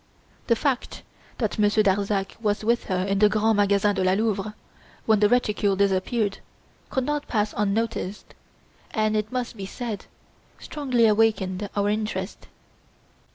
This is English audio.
The fact that Monsieur Darzac was with her in the Grands Magasins de la Louvre when the reticule disappeared could not pass unnoticed, and, it must be said, strongly awakened our interest.